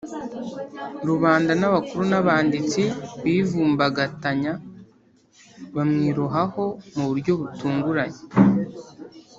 rubanda n abakuru n abanditsi bivumbagatanya bamwirohaho mu buryo butunguranye